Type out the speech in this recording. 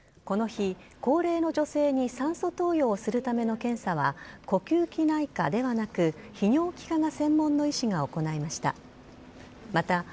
この日、高齢の女性に酸素投与をするための検査は、呼吸器内科ではなく、泌尿器科が専門の医師が行いました。